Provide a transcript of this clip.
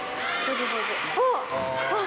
あっ！